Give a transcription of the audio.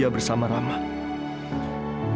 tapi belum saya pahami ratu